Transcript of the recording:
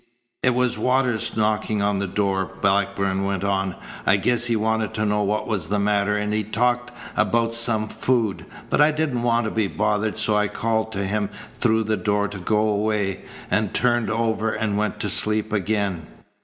"It was Waters knocking on the door," Blackburn went on. "I guess he wanted to know what was the matter, and he talked about some food, but I didn't want to be bothered, so I called to him through the door to go away, and turned over and went to sleep again."